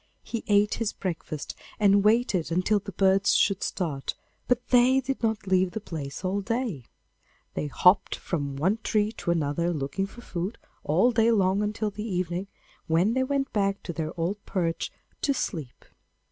He ate his breakfast, and waited until the birds should start, but they did not leave the place all day. They hopped about from one tree to another looking for food, all day long until the evening, when they went back to their old perch to sleep.